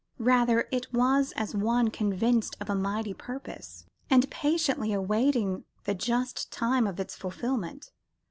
Rather it was as one convinced of a mighty purpose, and patiently awaiting the just time of its fulfilment.